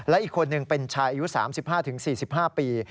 และอีกคนหนึ่งเป็นชายอายุ๓๕๔๕ปี